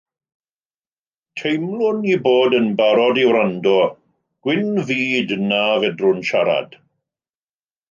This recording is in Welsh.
Teimlwn eu bod yn barod i wrando, gwyn fyd na fedrwn siarad.